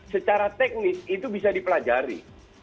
secara teknis itu bisa dipelajari